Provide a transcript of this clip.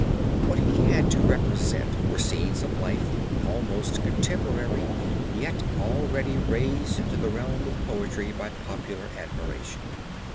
What he had to represent were scenes of life almost contemporary yet already raised to the realm of poetry by popular admiration.